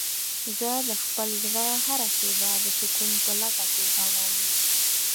زه د خپل زړه هره شېبه د سکون په لټه تېرووم.